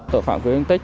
tội phạm gây thương tích